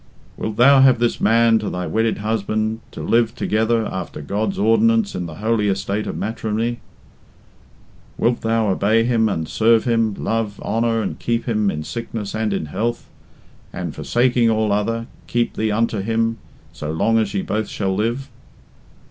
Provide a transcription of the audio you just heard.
"Wilt thou have this man to thy wedded husband, to live together after God's ordinance in the holy estate of matrimony? Wilt thou obey him and serve him, love, honour, and keep him in sickness and in health; and forsaking all other, keep thee unto him, so long as ye both shall live?"